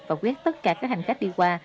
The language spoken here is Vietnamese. và quét tất cả các hành khách đi qua